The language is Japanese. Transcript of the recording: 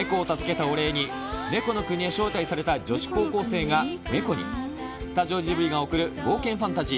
猫を助けたお礼に猫の国へ招待された女子高校生が猫にスタジオジブリが贈る冒険ファンタジー。